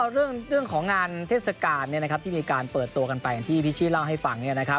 เรื่องของงานเทศกาลที่มีการเปิดตัวกันไปอย่างที่พี่ชี่เล่าให้ฟัง